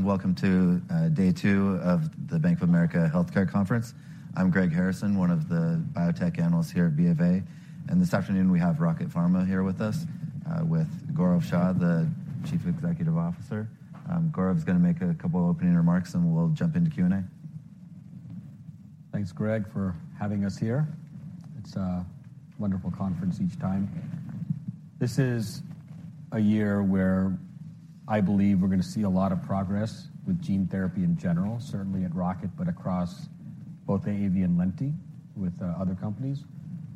Welcome to day two of the Bank of America Healthcare Conference. I'm Greg Harrison, one of the biotech analysts here at B of A. This afternoon we have Rocket Pharma here with us, with Gaurav Shah, the Chief Executive Officer. Gaurav is gonna make a couple opening remarks, and we'll jump into Q&A. Thanks, Greg, for having us here. It's a wonderful conference each time. This is a year where I believe we're gonna see a lot of progress with gene therapy in general, certainly at Rocket, but across both AAV and Lenti with other companies.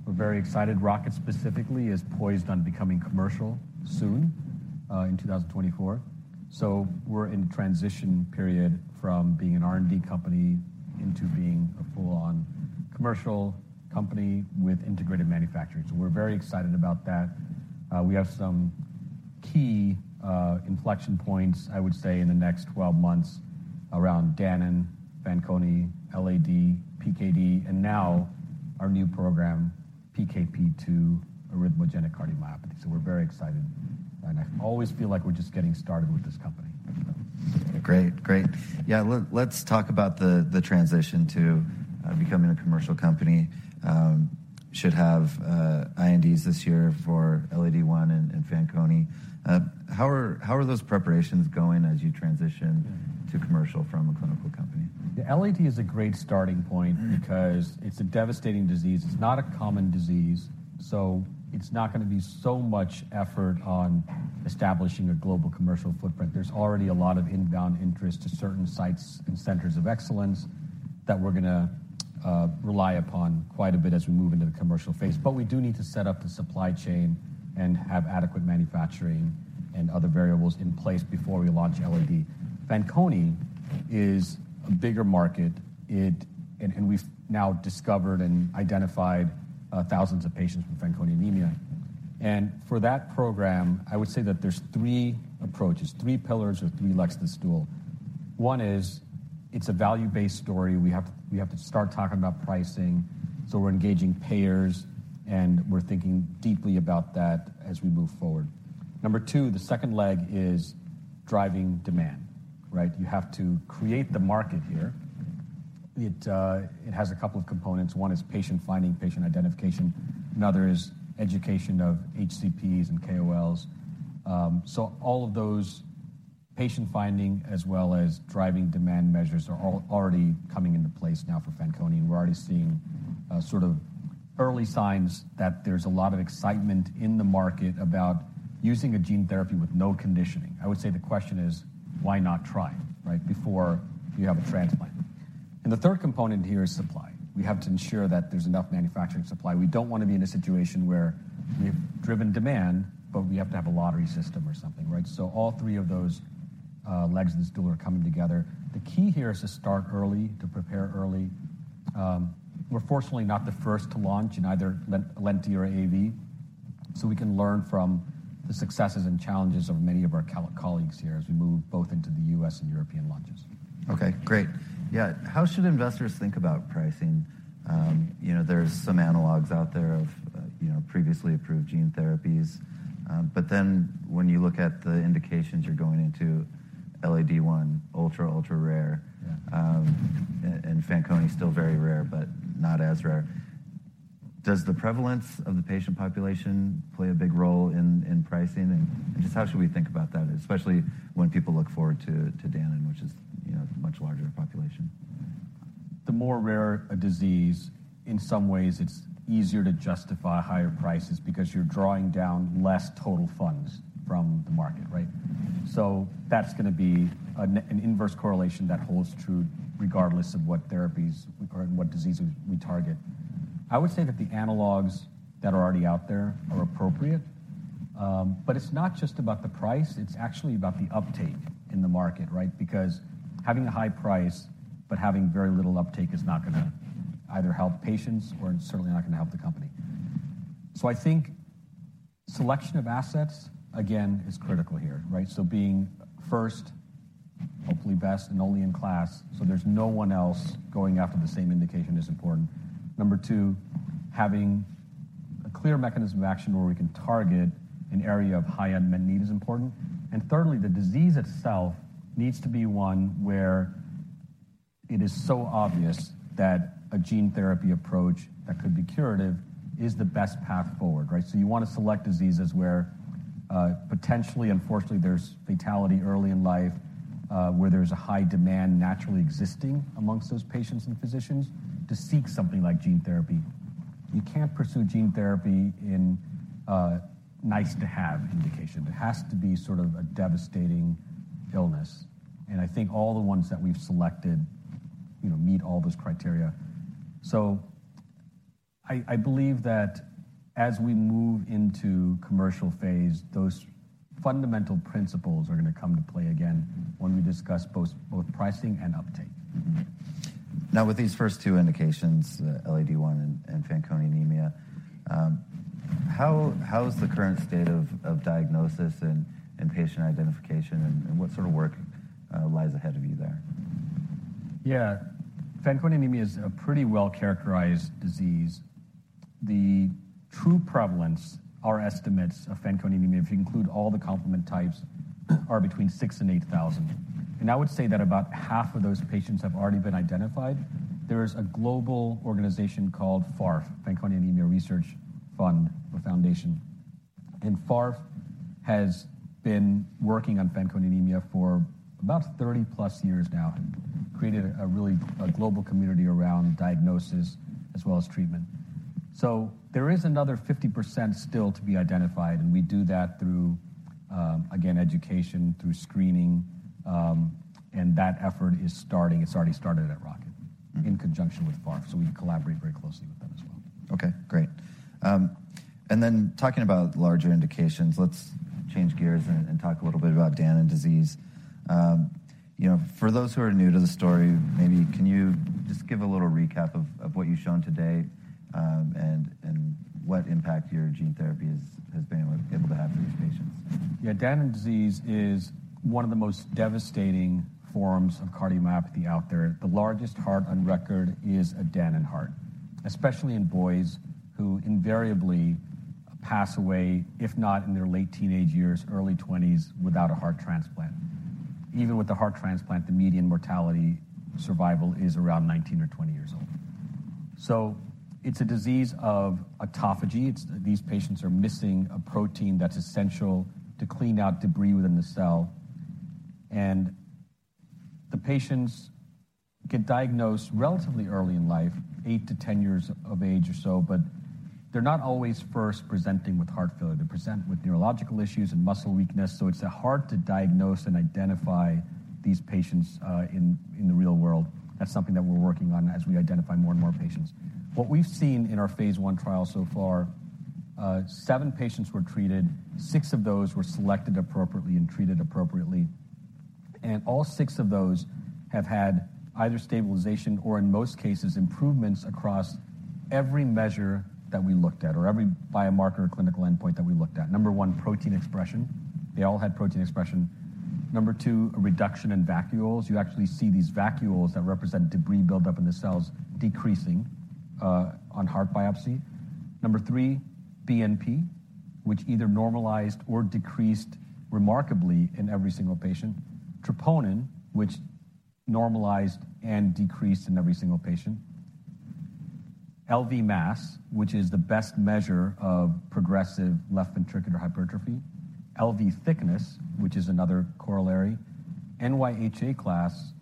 We're very excited. Rocket specifically is poised on becoming commercial soon, in 2024. We're in transition period from being an R&D company into being a full-on commercial company with integrated manufacturing. We're very excited about that. We have some key inflection points, I would say, in the next 12 months around Danon, Fanconi, LAD, PKD, and now our new program, PKP2-arrhythmogenic cardiomyopathy. We're very excited. I always feel like we're just getting started with this company. Great. Yeah. Let's talk about the transition to becoming a commercial company. Should have INDs this year for LAD one and Fanconi. How are those preparations going as you. Mm-hmm. to commercial from a clinical company? The LAD is a great starting point because it's a devastating disease. It's not a common disease, so it's not gonna be so much effort on establishing a global commercial footprint. There's already a lot of inbound interest to certain sites and centers of excellence that we're gonna rely upon quite a bit as we move into the commercial phase. We do need to set up the supply chain and have adequate manufacturing and other variables in place before we launch LAD. Fanconi is a bigger market. We've now discovered and identified thousands of patients with Fanconi anemia. For that program, I would say that there's 3 approaches, three pillars or three legs of the stool. One is it's a value-based story. We have to start talking about pricing, so we're engaging payers, and we're thinking deeply about that as we move forward. Number two, the second leg is driving demand, right? You have to create the market here. It has a couple of components. One is patient finding, patient identification. Another is education of HCPs and KOLs. All of those patient finding as well as driving demand measures are already coming into place now for Fanconi. We're already seeing sort of early signs that there's a lot of excitement in the market about using a gene therapy with no conditioning. I would say the question is why not try, right? Before you have a transplant. The third component here is supply. We have to ensure that there's enough manufacturing supply. We don't wanna be in a situation where we've driven demand, but we have to have a lottery system or something, right? All three of those legs of the stool are coming together. The key here is to start early, to prepare early. We're fortunately not the first to launch in either Lenti or AAV, so we can learn from the successes and challenges of many of our colleagues here as we move both into the U.S. and European launches. Okay, great. Yeah. How should investors think about pricing? you know, there's some analogs out there of, you know, previously approved gene therapies. When you look at the indications, you're going into LAD-I one, ultra rare. Yeah. And Fanconi is still very rare, but not as rare. Does the prevalence of the patient population play a big role in pricing? How should we think about that, especially when people look forward to Danon, which is, you know, much larger population? The more rare a disease, in some ways it's easier to justify higher prices because you're drawing down less total funds from the market, right? That's gonna be an inverse correlation that holds true regardless of what therapies or what diseases we target. I would say that the analogs that are already out there are appropriate. It's not just about the price, it's actually about the uptake in the market, right? Because having a high price but having very little uptake is not gonna either help patients or it's certainly not gonna help the company. I think selection of assets, again, is critical here, right? Being first, hopefully best and only in class, so there's no one else going after the same indication is important. Number two, having a clear mechanism of action where we can target an area of high unmet need is important. Thirdly, the disease itself needs to be one where it is so obvious that a gene therapy approach that could be curative is the best path forward, right? You wanna select diseases where potentially, unfortunately, there's fatality early in life, where there's a high demand naturally existing amongst those patients and physicians to seek something like gene therapy. You can't pursue gene therapy in a nice to have indication. It has to be sort of a devastating illness. I think all the ones that we've selected, you know, meet all those criteria. I believe that as we move into commercial phase, those fundamental principles are gonna come to play again when we discuss both pricing and uptake. With these first two indications, LAD-I and Fanconi anemia, how is the current state of diagnosis and patient identification, and what sort of work lies ahead there? Fanconi anemia is a pretty well-characterized disease. The true prevalence, our estimates of Fanconi anemia, if you include all the complement types, are between 6,000 and 8,000. I would say that about half of those patients have already been identified. There is a global organization called FARF, Fanconi Anemia Research Fund or Foundation. FARF has been working on Fanconi anemia for about 30+ years now, and created a really, a global community around diagnosis as well as treatment. There is another 50% still to be identified, and we do that through again, education, through screening, and that effort is starting. It's already started at Rocket in conjunction with FARF, so we collaborate very closely with them as well. Okay, great. Talking about larger indications, let's change gears and talk a little bit about Danon disease. You know, for those who are new to the story, maybe can you just give a little recap of what you've shown today, and what impact your gene therapy has been able to have for these patients? Yeah. Danon disease is one of the most devastating forms of cardiomyopathy out there. The largest heart on record is a Danon heart, especially in boys who invariably pass away, if not in their late teenage years, early twenties, without a heart transplant. Even with a heart transplant, the median mortality survival is around 19 or 20 years old. It's a disease of autophagy. These patients are missing a protein that's essential to clean out debris within the cell. The patients get diagnosed relatively early in life, 8 to 10 years of age or so, but they're not always first presenting with heart failure. They present with neurological issues and muscle weakness, so it's hard to diagnose and identify these patients in the real world. That's something that we're working on as we identify more and more patients. What we've seen in our phase I trial so far, seven patients were treated, six of those were selected appropriately and treated appropriately. All six of those have had either stabilization or in most cases, improvements across every measure that we looked at or every biomarker or clinical endpoint that we looked at. Number one, protein expression. They all had protein expression. Number two, a reduction in vacuoles. You actually see these vacuoles that represent debris buildup in the cells decreasing on heart biopsy. Number three, BNP, which either normalized or decreased remarkably in every single patient. Troponin, which normalized and decreased in every single patient. LV mass, which is the best measure of progressive left ventricular hypertrophy, LV thickness, which is another corollary, NYHA class,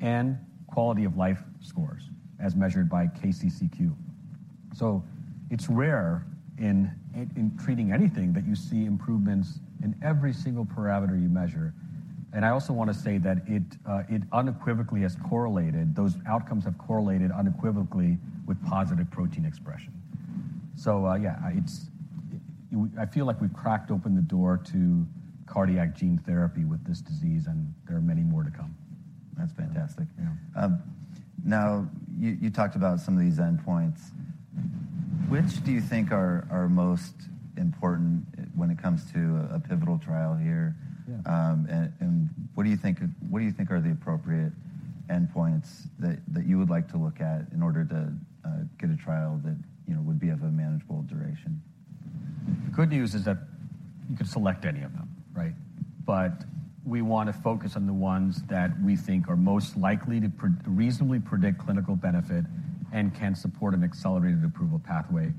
and quality of life scores as measured by KCCQ. It's rare in treating anything that you see improvements in every single parameter you measure. I also wanna say that it unequivocally has correlated. Those outcomes have correlated unequivocally with positive protein expression. Yeah, I feel like we've cracked open the door to cardiac gene therapy with this disease, and there are many more to come. That's fantastic. Yeah. You talked about some of these endpoints. Which do you think are most important when it comes to a pivotal trial here? Yeah. What do you think are the appropriate endpoints that you would like to look at in order to get a trial that, you know, would be of a manageable duration? The good news is that you could select any of them, right? We wanna focus on the ones that we think are most likely to reasonably predict clinical benefit and can support an accelerated approval pathway.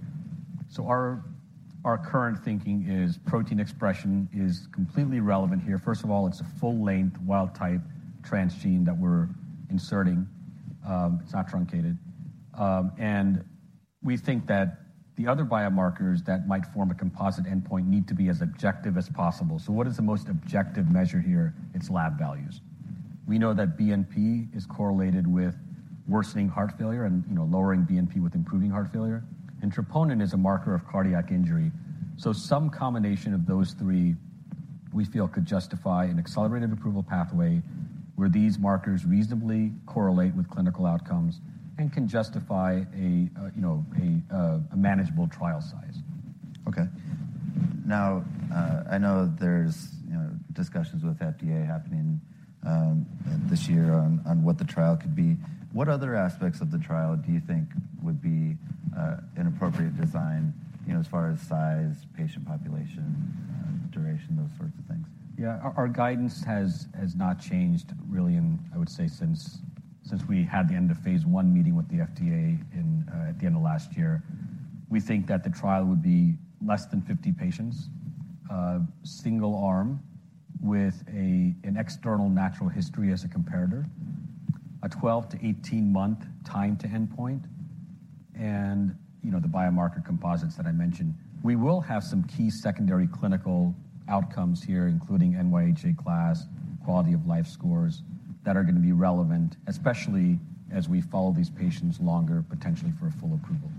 Our current thinking is protein expression is completely relevant here. First of all, it's a full length wild-type transgene that we're inserting. It's not truncated. We think that the other biomarkers that might form a composite endpoint need to be as objective as possible. What is the most objective measure here? It's lab values. We know that BNP is correlated with worsening heart failure and, you know, lowering BNP with improving heart failure. Troponin is a marker of cardiac injury. Some combination of those three, we feel could justify an accelerated approval pathway where these markers reasonably correlate with clinical outcomes and can justify a, you know, a manageable trial size. Okay. Now, I know there's, you know, discussions with FDA happening this year on what the trial could be. What other aspects of the trial do you think would be an appropriate design, you know, as far as size, patient population, duration, those sorts of things? Yeah. Our guidance has not changed really in, I would say since we had the end of phase I meeting with the FDA at the end of last year. We think that the trial would be less than 50 patients, single arm with a, an external natural history as a comparator, a 12-18-month time to endpoint, and, you know, the biomarker composites that I mentioned. We will have some key secondary clinical outcomes here, including NYHA class, quality of life scores, that are gonna be relevant, especially as we follow these patients longer, potentially for a full approval.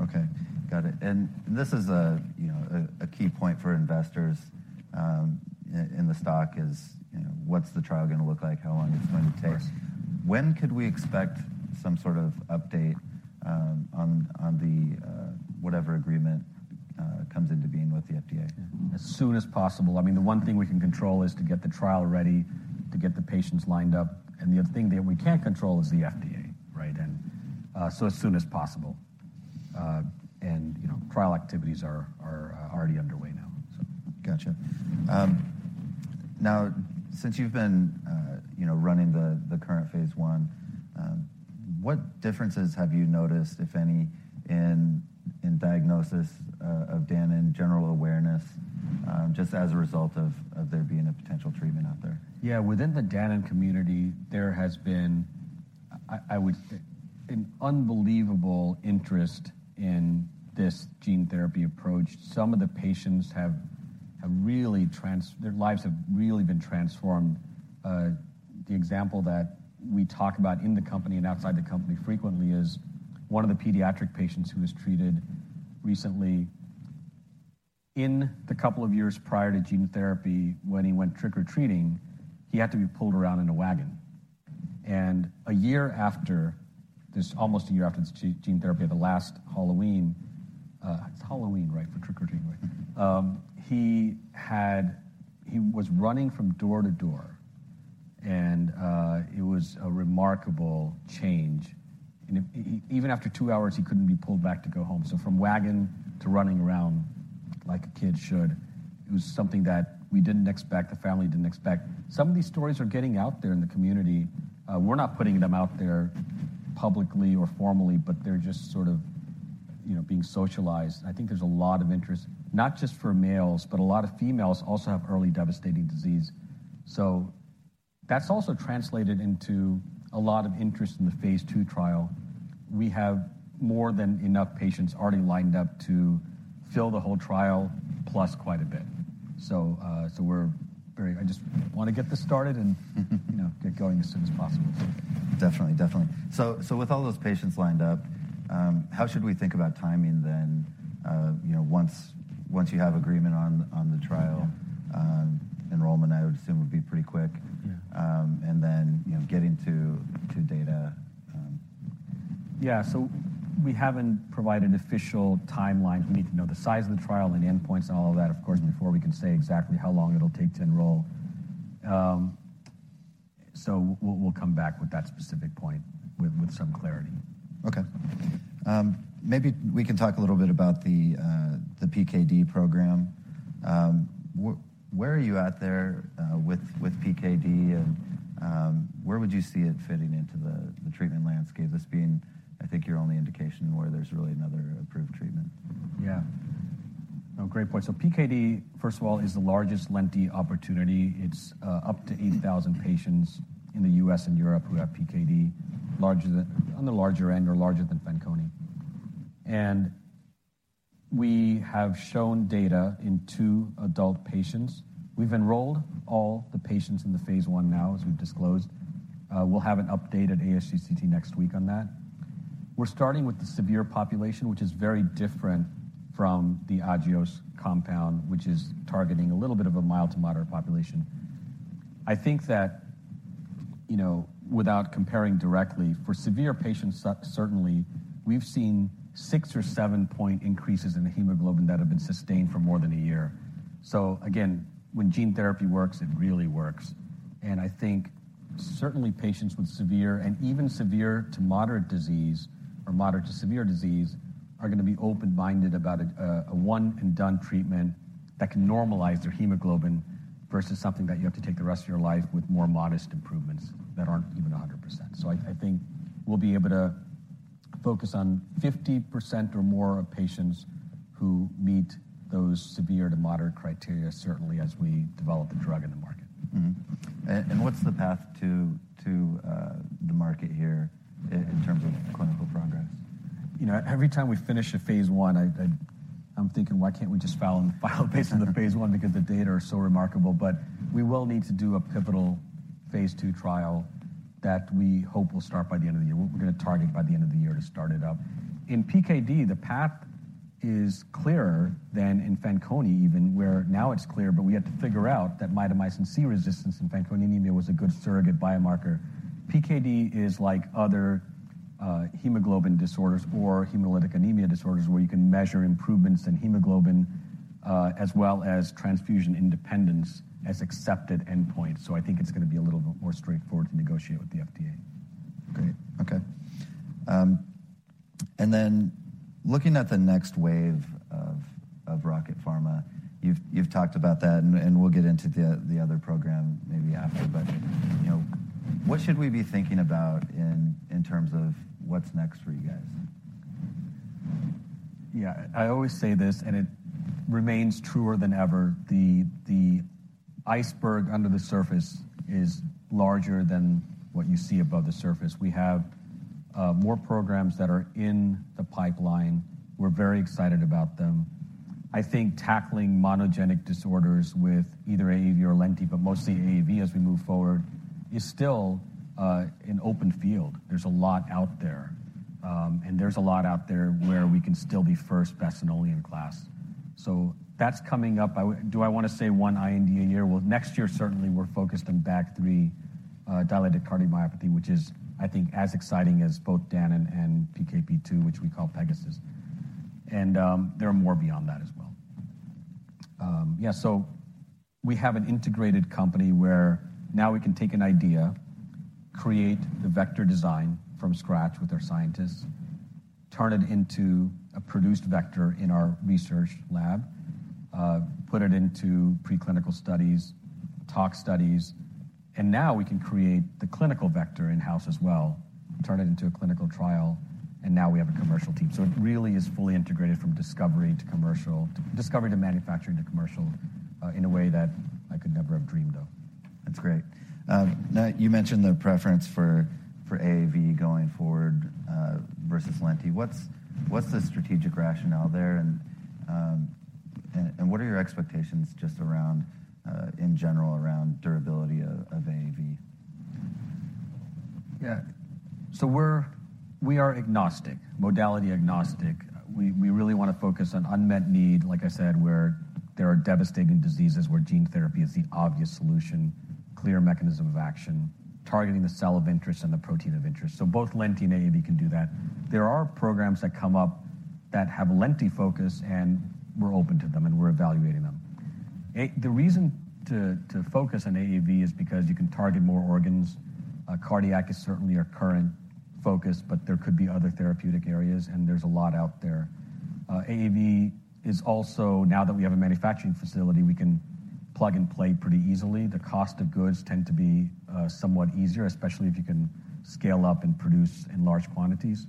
Okay. Got it. This is a, you know, a key point for investors, in the stock is, you know, what's the trial gonna look like? How long it's going to take? Of course. When could we expect some sort of update, on the, whatever agreement comes into being with the FDA? As soon as possible. I mean, the one thing we can control is to get the trial ready, to get the patients lined up, and the other thing that we can't control is the FDA, right? As soon as possible. You know, trial activities are, already underway now, so. Gotcha. Now since you've been, you know, running the current phase I, what differences have you noticed, if any, in diagnosis of Danon in general awareness, just as a result of there being a potential treatment out there? Yeah. Within the Danon community, there has been, I would say, an unbelievable interest in this gene therapy approach. Their lives have really been transformed. The example that we talk about in the company and outside the company frequently is one of the pediatric patients who was treated recently. In the couple of years prior to gene therapy, when he went trick-or-treating, he had to be pulled around in a wagon. A year after this, almost a year after this gene therapy, the last Halloween, it's Halloween, right? For trick-or-treating with. He was running from door to door, it was a remarkable change. Even after two hours, he couldn't be pulled back to go home. From wagon to running around like a kid should, it was something that we didn't expect, the family didn't expect. Some of these stories are getting out there in the community. We're not putting them out there publicly or formally, but they're just sort of, you know, being socialized. I think there's a lot of interest, not just for males, but a lot of females also have early devastating disease. That's also translated into a lot of interest in the phase 2 trial. We have more than enough patients already lined up to fill the whole trial plus quite a bit. I just wanna get this started, you know, get going as soon as possible. Definitely. With all those patients lined up, how should we think about timing then? You know, once you have agreement on the trial, enrollment, I would assume, would be pretty quick. Yeah. You know, getting to data. Yeah. We haven't provided official timeline. We need to know the size of the trial and the endpoints and all of that, of course, before we can say exactly how long it'll take to enroll. We'll come back with that specific point with some clarity. Okay. Maybe we can talk a little bit about the PKD program. Where are you at there with PKD and where would you see it fitting into the treatment landscape? This being, I think, your only indication where there's really another approved treatment. Yeah. No, great point. PKD, first of all, is the largest Lenti opportunity. It's up to 80,000 patients in the U.S. and Europe who have PKD. On the larger end or larger than Fanconi. We have shown data in two adult patients. We've enrolled all the patients in the phase I now, as we've disclosed. We'll have an update at ASGCT next week on that. We're starting with the severe population, which is very different from the Agios compound, which is targeting a little bit of a mild to moderate population. I think that, you know, without comparing directly, for severe patients, certainly, we've seen six or seven-point increases in the hemoglobin that have been sustained for more than a year. Again, when gene therapy works, it really works. I think certainly patients with severe and even severe to moderate disease or moderate to severe disease are gonna be open-minded about a one and done treatment that can normalize their hemoglobin versus something that you have to take the rest of your life with more modest improvements that aren't even 100%. I think we'll be able to focus on 50% or more of patients who meet those severe to moderate criteria, certainly as we develop the drug in the market. Mm-hmm. What's the path to, the market here in terms of clinical progress? You know, every time we finish a phase I'm thinking, "Why can't we just file based on the phase I?" Because the data are so remarkable. We will need to do a pivotal phase II trial that we hope will start by the end of the year. We're gonna target by the end of the year to start it up. In PKD, the path is clearer than in Fanconi even, where now it's clear, but we have to figure out that mitomycin C resistance in Fanconi anemia was a good surrogate biomarker. PKD is like other hemoglobin disorders or hemolytic anemia disorders, where you can measure improvements in hemoglobin, as well as transfusion independence as accepted endpoint. I think it's gonna be a little bit more straightforward to negotiate with the FDA. Great. Okay. Looking at the next wave of Rocket Pharma, you've talked about that and we'll get into the other program maybe after. You know, what should we be thinking about in terms of what's next for you guys? Yeah. I always say this, and it remains truer than ever. The iceberg under the surface is larger than what you see above the surface. We have more programs that are in the pipeline. We're very excited about them. I think tackling monogenic disorders with either AAV or Lenti, but mostly AAV as we move forward, is still an open field. There's a lot out there, and there's a lot out there where we can still be first best-in-only in class. That's coming up. Do I wanna say one IND a year? Well, next year, certainly, we're focused on BAG3 dilated cardiomyopathy, which is, I think, as exciting as both Danon and PKP2, which we call Pegasus. There are more beyond that as well. Yeah, we have an integrated company where now we can take an idea, create the vector design from scratch with our scientists, turn it into a produced vector in our research lab, put it into preclinical studies, tox studies, and now we can create the clinical vector in-house as well, turn it into a clinical trial, and now we have a commercial team. It really is fully integrated from discovery to commercial, discovery to manufacturing to commercial, in a way that I could never have dreamed of. That's great. Now you mentioned the preference for AAV going forward, versus lenti. What's the strategic rationale there and what are your expectations just around in general around durability of AAV? Yeah. We are agnostic, modality agnostic. We really wanna focus on unmet need, like I said, where there are devastating diseases where gene therapy is the obvious solution, clear mechanism of action, targeting the cell of interest and the protein of interest. Both Lenti and AAV can do that. There are programs that come up that have Lenti focus, and we're open to them, and we're evaluating them. The reason to focus on AAV is because you can target more organs. Cardiac is certainly our current focus, but there could be other therapeutic areas, and there's a lot out there. AAV is also, now that we have a manufacturing facility, we can plug and play pretty easily. The cost of goods tend to be somewhat easier, especially if you can scale up and produce in large quantities.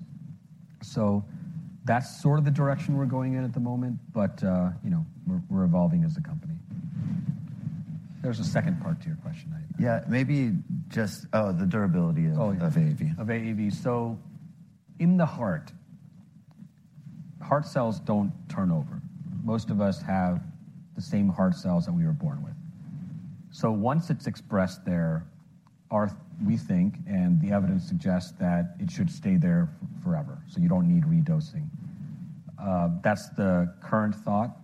That's sort of the direction we're going in at the moment, but, you know, we're evolving as a company. There's a second part to your question. Yeah. Maybe just... Oh, the durability of- Oh, yeah. of AAV. AAV. In the heart cells don't turn over. Most of us have the same heart cells that we were born with. Once it's expressed there, we think, and the evidence suggests that it should stay there forever. You don't need redosing. That's the current thought,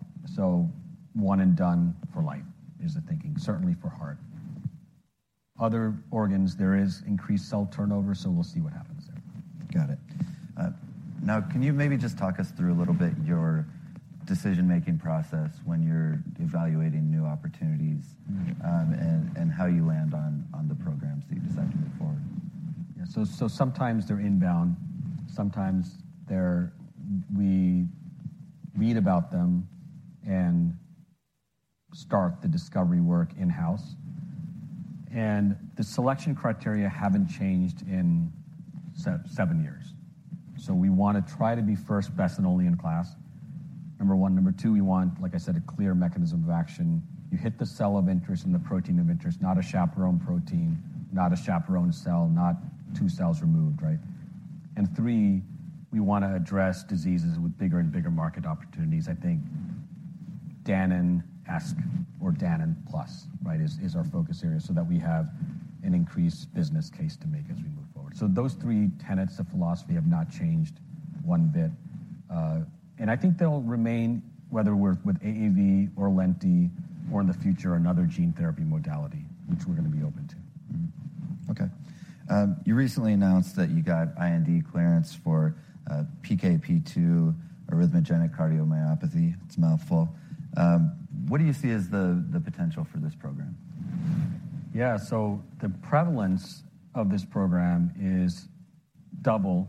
one and done for life is the thinking, certainly for heart. Other organs, there is increased cell turnover, we'll see what happens there. Got it. Now can you maybe just talk us through a little bit your decision-making process when you're evaluating new opportunities, and how you land on the programs that you decide to move forward? Yeah. Sometimes we read about them and start the discovery work in-house. The selection criteria haven't changed in seven years. We wanna try to be first, best and only in class, number one. Number two, we want, like I said, a clear mechanism of action. You hit the cell of interest and the protein of interest, not a chaperone protein, not a chaperone cell, not two cells removed, right? Three, we wanna address diseases with bigger and bigger market opportunities. I think Danon-esque or Danon plus, right, is our focus area so that we have an increased business case to make as we move forward. Those three tenets of philosophy have not changed one bit. I think they'll remain whether we're with AAV or Lenti or in the future, another gene therapy modality, which we're gonna be open to. Okay. You recently announced that you got IND clearance for PKP2 arrhythmogenic cardiomyopathy. It's a mouthful. What do you see as the potential for this program? Yeah. The prevalence of this program is double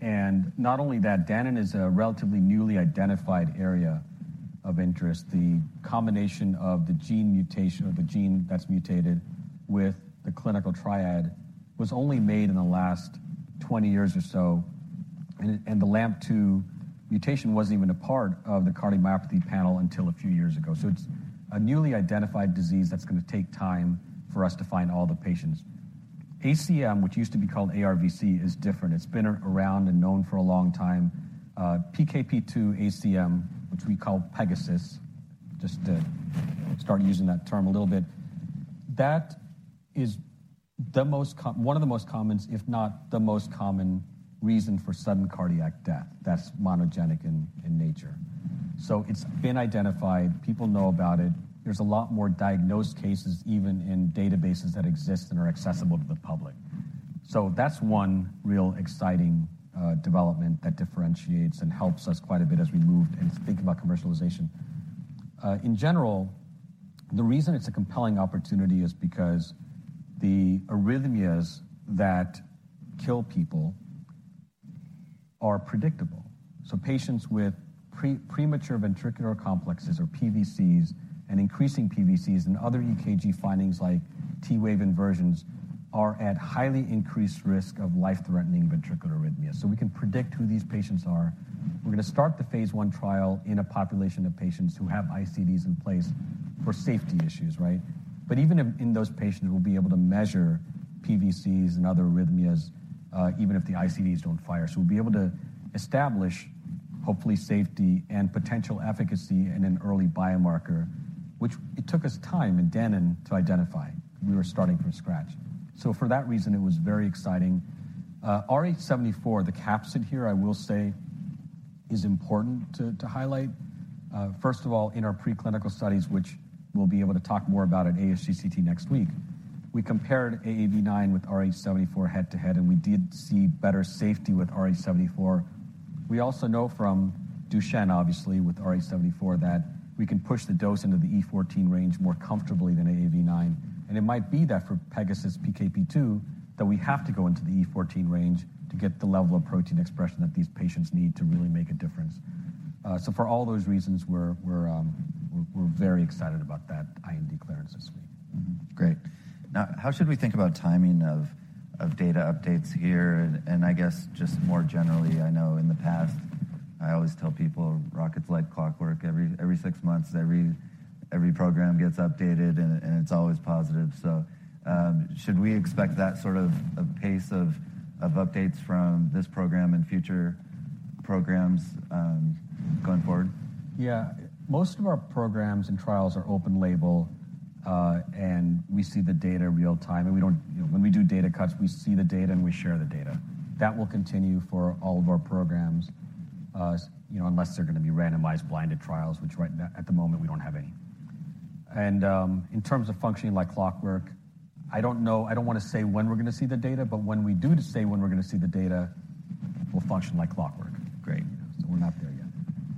Danon. Not only that Danon is a relatively newly identified area of interest, the combination of the gene mutation or the gene that's mutated with the clinical triad was only made in the last 20 years or so. The LAMP2 mutation wasn't even a part of the cardiomyopathy panel until a few years ago. It's a newly identified disease that's gonna take time for us to find all the patients. ACM, which used to be called ARVC, is different. It's been around and known for a long time. PKP2-ACM, which we call Pegasus, just to start using that term a little bit. That is the one of the most common, if not the most common reason for sudden cardiac death that's monogenic in nature. It's been identified. People know about it. There's a lot more diagnosed cases, even in databases that exist and are accessible to the public. That's one real exciting development that differentiates and helps us quite a bit as we move and think about commercialization. In general, the reason it's a compelling opportunity is because the arrhythmias that kill people are predictable. Patients with premature ventricular complexes or PVCs and increasing PVCs and other EKG findings like T-wave inversions are at highly increased risk of life-threatening ventricular arrhythmia. We can predict who these patients are. We're gonna start the phase I trial in a population of patients who have ICDs in place for safety issues, right? Even in those patients, we'll be able to measure PVCs and other arrhythmias, even if the ICDs don't fire. We'll be able to establish, hopefully safety and potential efficacy in an early biomarker, which it took us time in Danon to identify. We were starting from scratch. For that reason, it was very exciting. rh-74, the capsid here, I will say is important to highlight. First of all, in our preclinical studies, which we'll be able to talk more about at ASGCT next week, we compared AAV9 with rh-74 head-to-head, and we did see better safety with rh-74. We also know from Duchenne, obviously, with rh-74 that we can push the dose into the E14 range more comfortably than AAV9. It might be that for Pegasus PKP2, that we have to go into the E14 range to get the level of protein expression that these patients need to really make a difference. For all those reasons, we're very excited about that IND clearance this week. Great. How should we think about timing of data updates here? I guess just more generally, I know in the past, I always tell people, "Rocket's like clockwork every 6 months, every program gets updated and it's always positive." Should we expect that sort of a pace of updates from this program and future programs going forward? Yeah. Most of our programs and trials are open label, and we see the data real time. You know, when we do data cuts, we see the data and we share the data. That will continue for all of our programs, you know, unless they're gonna be randomized blinded trials, which at the moment we don't have any. In terms of functioning like clockwork, I don't know. I don't wanna say when we're gonna see the data, but when we do to say when we're gonna see the data, we'll function like clockwork. Great. We're not there yet.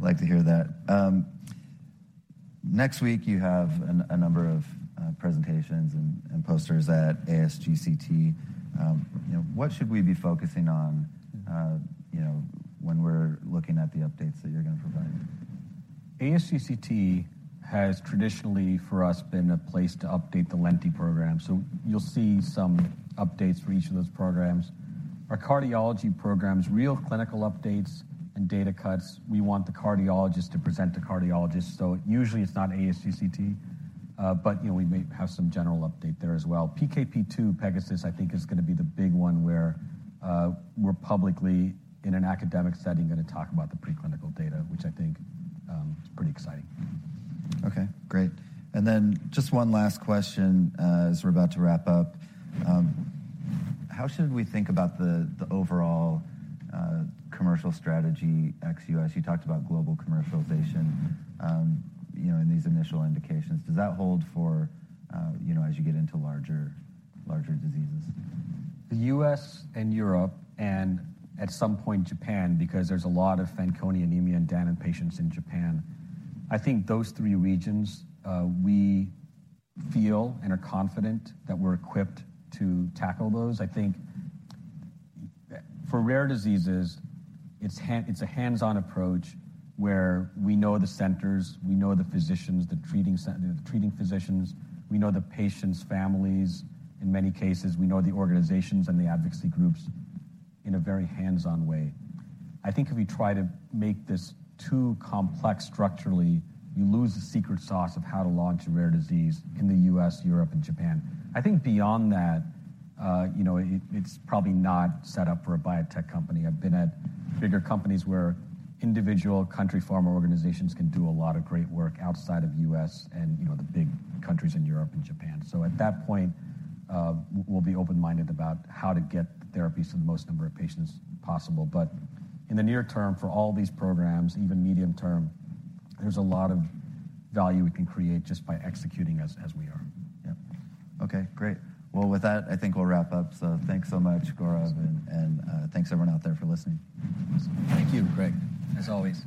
Like to hear that. Next week you have a number of presentations and posters at ASGCT. You know, what should we be focusing on, you know, when we're looking at the updates that you're gonna provide? ASGCT has traditionally, for us, been a place to update the Lenti program. You'll see some updates for each of those programs. Our cardiology programs, real clinical updates and data cuts, we want the cardiologist to present to cardiologists, so usually it's not ASGCT. You know, we may have some general update there as well. PKP2 Pegasus, I think is gonna be the big one where, we're publicly in an academic setting gonna talk about the preclinical data, which I think, pretty exciting. Okay, great. Just one last question, as we're about to wrap up. How should we think about the overall commercial strategy ex-U.S.? You talked about global commercialization, you know, in these initial indications. Does that hold for, you know, as you get into larger diseases? The U.S. and Europe, at some point Japan, because there's a lot of Fanconi anemia and Danon patients in Japan. I think those three regions, we feel and are confident that we're equipped to tackle those. I think for rare diseases, it's a hands-on approach where we know the centers, we know the physicians, you know, the treating physicians. We know the patients' families. In many cases, we know the organizations and the advocacy groups in a very hands-on way. I think if we try to make this too complex structurally, you lose the secret sauce of how to launch a rare disease in the U.S., Europe, and Japan. I think beyond that, you know, it's probably not set up for a biotech company. I've been at bigger companies where individual country pharma organizations can do a lot of great work outside of U.S. and, you know, the big countries in Europe and Japan. At that point, we'll be open-minded about how to get the therapies to the most number of patients possible. In the near term, for all these programs, even medium term, there's a lot of value we can create just by executing as we are. Yep. Okay, great. Well, with that, I think we'll wrap up. Thanks so much, Gaurav. Yes. Thanks everyone out there for listening. Thank you. Great. As always.